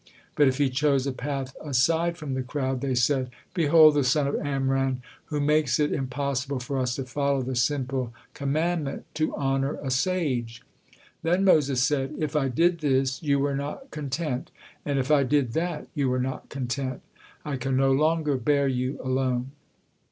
But if he chose a path aside from the crowd, they said: "Behold the son of Amram, who makes it impossible for us to follow the simple commandment, to hone a sage." Then Moses said: "If I did this you were not content, and if I did that you were not content! I can no longer bear you alone.